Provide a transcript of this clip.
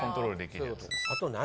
あと何？